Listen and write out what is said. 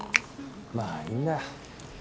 まぁいいんだよ。